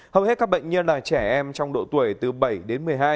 hầu hết các bệnh nhân là trẻ em trong độ tuổi từ bảy đến một mươi hai